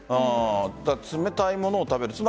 冷たいものを食べる。